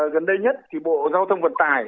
gần đây nhất thì bộ giao thông vận tải